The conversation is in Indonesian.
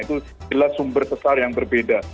itu adalah sumber besar yang berbeda